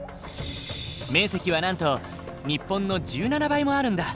面積はなんと日本の１７倍もあるんだ。